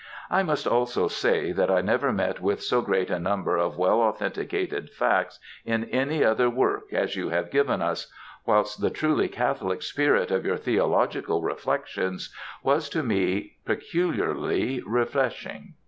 I must also say that I never met with so great a number of well authenticated facts in any other work as you have given us, whilst the truly catholic spirit of your theological reflections, was to me pecularly refreshing.